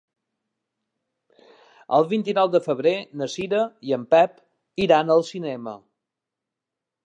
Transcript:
El vint-i-nou de febrer na Cira i en Pep iran al cinema.